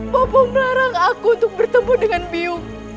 bapak melarang aku untuk bertemu dengan biung